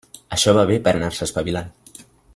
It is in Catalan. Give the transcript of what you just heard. Això va bé per anar-se espavilant.